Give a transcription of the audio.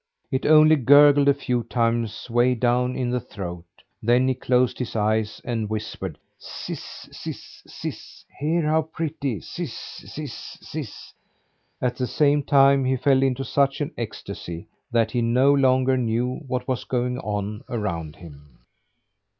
It only gurgled a few times way down in the throat. Then he closed his eyes and whispered: "Sis, sis, sis. Hear how pretty! Sis, sis, sis." At the same time he fell into such an ecstasy that he no longer knew what was going on around him.